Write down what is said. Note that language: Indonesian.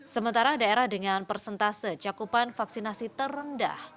sementara daerah dengan persentase cakupan vaksinasi terendah